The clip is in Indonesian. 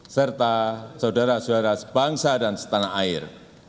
serta saudara saudara sebangsa dan setanah air